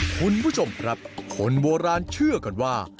คุณผู้ชมครับคนโบราณเชื่อกันว่า